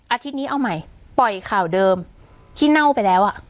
อาทิตย์นี้เอาใหม่ปล่อยข่าวเดิมที่เน่าไปแล้วอ่ะ